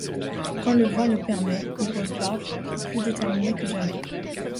Quand le vent le permet, il repart, plus déterminé que jamais.